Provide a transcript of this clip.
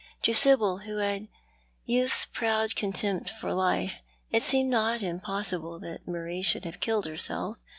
To Sibyl, who had youth's proiid contempt for life — it seemed not impossible that Marie should have killed herself.